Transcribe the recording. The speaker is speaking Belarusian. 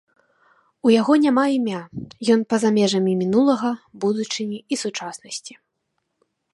У яго няма імя, ён па-за межамі мінулага, будучыні і сучаснасці.